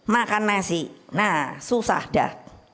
makan nasi nah susah dah